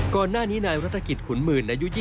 ก่อนหน้านี้นายรัฐกิจขุนหมื่นอายุ๒๐